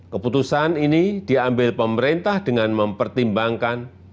keputusan ini diambil pemerintah dengan mempertimbangkan